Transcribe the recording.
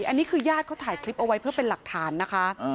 อันนี้คือญาติเขาถ่ายคลิปเอาไว้เพื่อเป็นหลักฐานนะคะ